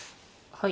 はい。